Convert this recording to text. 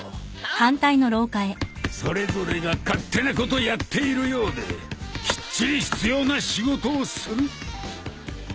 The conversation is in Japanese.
それぞれが勝手なことやっているようできっちり必要な仕事をする。